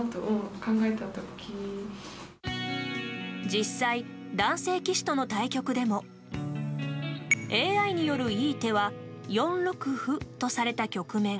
実際、男性棋士との対局でもＡＩによるいい手は４六歩とされた局面。